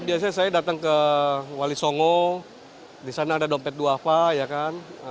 biasanya saya datang ke wali songo di sana ada dompet duafa ya kan